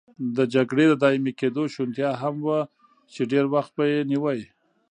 د جګړې د دایمي کېدو شونتیا هم وه چې ډېر وخت به یې نیوه.